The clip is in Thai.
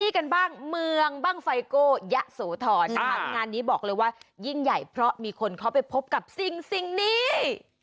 นี่กันบ้างเมืองบ้างไฟโก้ยะโสธรนะคะงานนี้บอกเลยว่ายิ่งใหญ่เพราะมีคนเขาไปพบกับสิ่งนี้